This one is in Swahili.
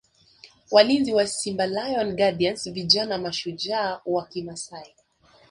Walinzi wa Simba Lion Guardians vijana mashujaa wa Kimasai